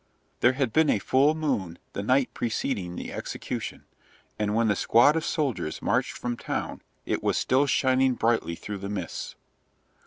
There had been a full moon the night preceding the execution, and when the squad of soldiers marched from town it was still shining brightly through the mists.